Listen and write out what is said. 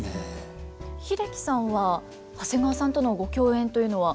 英樹さんは長谷川さんとのご共演というのは？